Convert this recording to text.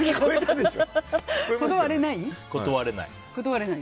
断れない。